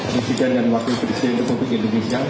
presiden dan wakil presiden republik indonesia